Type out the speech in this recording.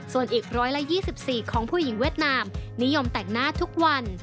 ส่วนอีก๑๒๔ของผู้หญิงเวียดนามนิยมแต่งหน้าทุกวัน